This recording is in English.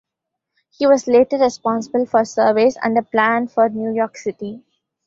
He was later responsible for surveys and a plan for New York City.